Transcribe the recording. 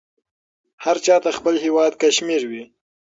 هر چاته خپل هیواد کشمیر وې.